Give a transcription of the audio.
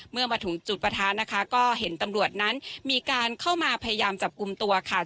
เมื่อมาถึงจุดประทะนะคะก็เห็นตำรวจนั้นมีการเข้ามาพยายามจับกลุ่มตัวค่ะ